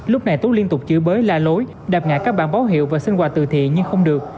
lúc này tú liên tục chữ bới la lối đạp ngã các bản báo hiệu và xin quà từ thiện nhưng không được